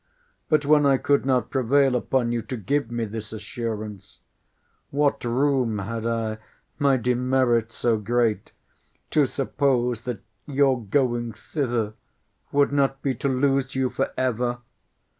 But when I could not prevail upon you to give me this assurance, what room had I, (my demerit so great,) to suppose, that your going thither would not be to lose you for ever?